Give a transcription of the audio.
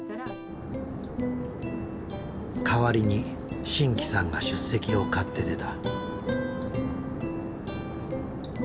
代わりに真気さんが出席を買って出た。